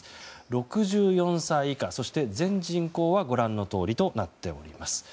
６４歳以下そして、全人口はご覧のとおりとなっています。